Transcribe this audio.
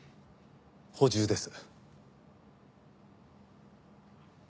補充です。